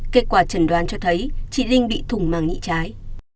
kết quả trần đoán cho thấy chị linh bị thủng màng nhị trái